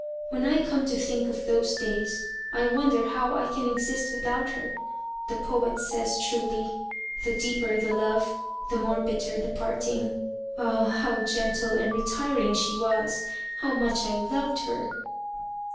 When I come to think of those days I wonder how I can exist without her. The poet says truly, 'The deeper the love, the more bitter the parting.' Ah! how gentle and retiring she was. How much I loved her!"